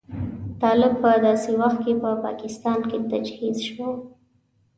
طالب په داسې وخت کې په پاکستان کې تجهیز شو.